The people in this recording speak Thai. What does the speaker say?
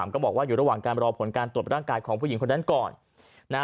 ก็บอกว่าอยู่ระหว่างการรอผลการตรวจร่างกายของผู้หญิงคนนั้นก่อน